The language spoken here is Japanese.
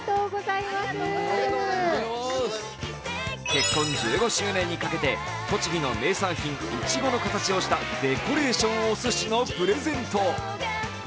結婚１５周年にかけて栃木の名産品・いちごの形をしたデコレーションおすしのプレゼント。